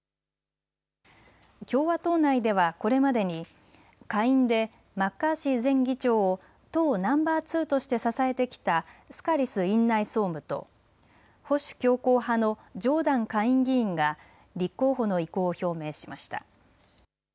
共和党内ではこれまでに下院でマッカーシー前議長を党ナンバー２として支えてきたスカリス院内総務と保守強硬派のジョーダン下院議員が立候補の意向を表明しました。